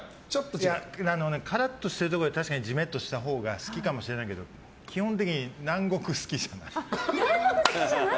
カラッとしているところよりジメッとしたほうが好きかもしれないけど基本的に南国好きじゃない。